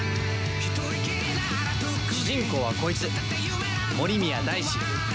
主人公はこいつ森宮大志。